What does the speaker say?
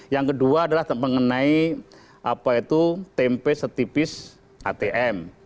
yang kedua adalah mengenai apa itu tempe setipis atm